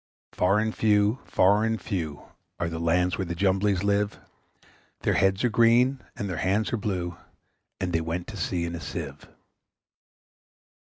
Far and few, far and few, Are the lands where the Jumblies live; Their heads are green, and their hands are blue, And they went to sea in a Sieve.